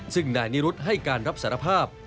ซึ่งนายนิรุธให้การรับสารภาพ